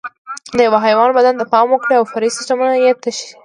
د یوه حیوان بدن ته پام وکړئ او فرعي سیسټمونه یې تشخیص کړئ.